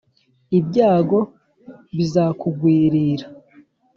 Ibyago bizakugwirira .